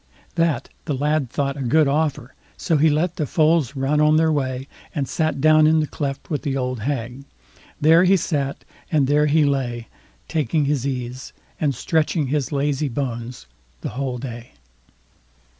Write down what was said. That the lad thought a good offer, so he let the foals run on their way, and sat down in the cleft with the old hag. There he sat, and there he lay, taking his ease, and stretching his lazy bones the whole day.